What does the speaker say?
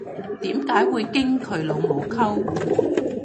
點解會經佢老母溝